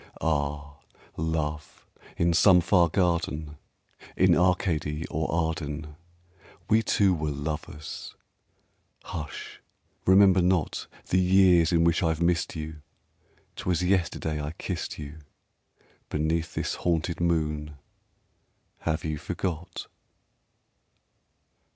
Ah, Love! in some far garden, In Arcady or Arden, We two were lovers! Hush remember not The years in which I've missed you 'Twas yesterday I kissed you Beneath this haunted moon! Have you forgot?